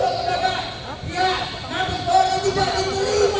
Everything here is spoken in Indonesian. yang mengatakan nkri tidak diterima